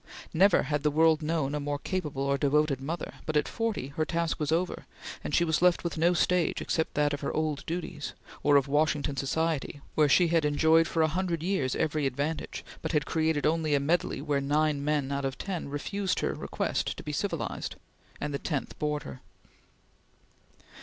Never had the world known a more capable or devoted mother, but at forty her task was over, and she was left with no stage except that of her old duties, or of Washington society where she had enjoyed for a hundred years every advantage, but had created only a medley where nine men out of ten refused her request to be civilized, and the tenth bored her.